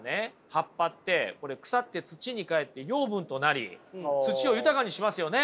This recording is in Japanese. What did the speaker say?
葉っぱって腐って土にかえって養分となり土を豊かにしますよね？